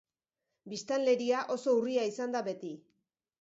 Biztanleria oso urria izan da beti.